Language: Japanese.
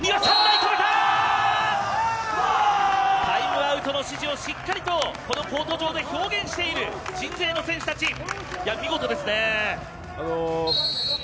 タイムアウトの指示をしっかりとコート上で表現している鎮西の選手たち。